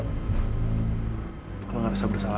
kamu marah sama nontalita